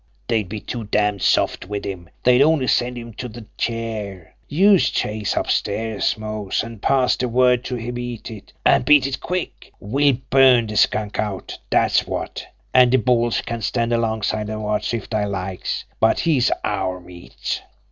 Dey'd be too damned soft wid him dey'd only send him to de chair. Youse chase upstairs, Mose, an' pass de word to beat it an' beat it quick. We'll BURN de skunk out dat's wot. An' de bulls can stand alongside an' watch, if dey likes but he's our meat."